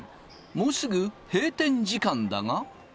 もうすぐ閉店時間だが。